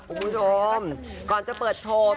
คุณผู้ชมก่อนจะเปิดโชว์